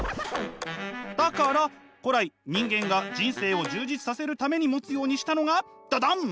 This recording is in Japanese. だから古来人間が人生を充実させるために持つようにしたのがダダン！